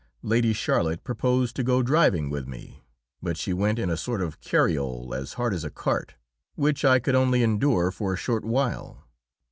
Lady Charlotte proposed to go driving with me, but she went in a sort of cariole as hard as a cart, which I could only endure for a short while.